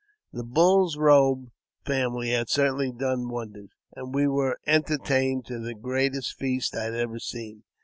The Bull's Eobe family had certainly done wonders, and we were entertained to the greatest feast I had ever seen.